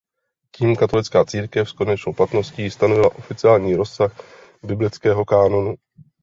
Tím katolická církev s konečnou platností stanovila oficiální rozsah biblického kánonu.